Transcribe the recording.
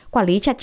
quản lý chặt chặt